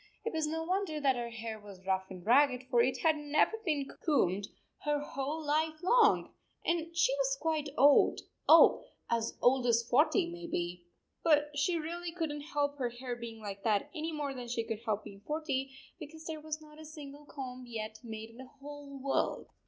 It was no 6 wonder that her hair was rough and ragged, for it had never been combed her whole life long, and she was quite old oh, as old as forty, maybe ! But she really could n t help her hair being like that any more than she could help being forty, because there was not a single comb yet made in the whole world